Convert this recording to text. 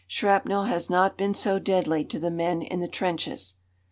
Shrapnel has not been so deadly to the men in the trenches.